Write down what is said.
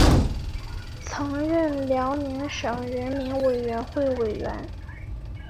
曾任辽宁省人民委员会委员。